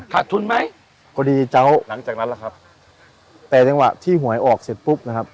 ขาดทุนไหมพอดีเจ้าหลังจากนั้นแหละครับแต่จังหวะที่หวยออกเสร็จปุ๊บนะครับ